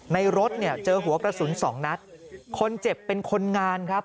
รถเนี่ยเจอหัวกระสุนสองนัดคนเจ็บเป็นคนงานครับ